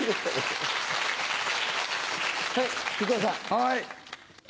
はい。